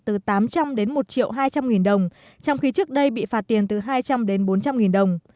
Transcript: từ tám trăm linh đến một triệu hai trăm linh nghìn đồng trong khi trước đây bị phạt tiền từ hai trăm linh đến bốn trăm linh nghìn đồng